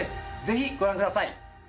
ぜひご覧ください